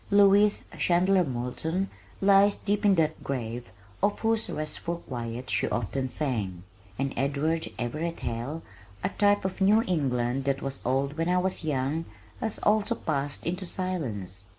Louise Chandler Moulton lies deep in that grave of whose restful quiet she so often sang, and Edward Everett Hale, type of a New England that was old when I was young, has also passed into silence.